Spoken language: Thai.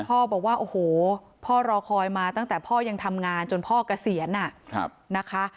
พ่อบอกว่าโอ้โหพ่อรอคอยมาตั้งแต่พ่อยังทำงานจนพ่อเกษียณนะคะ